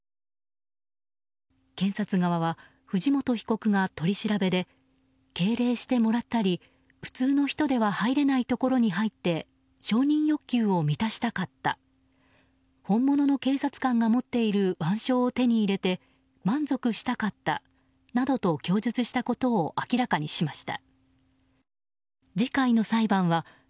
検察側は藤本被告が取り調べで敬礼してもらったり普通の人では入れないところに入って承認欲求を満たしたかった本物の警察官が持っている腕章を手に入れて満足したかったなどと供述したことを明らかにしました。